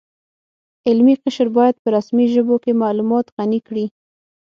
علمي قشر باید په رسمي ژبو کې معلومات غني کړي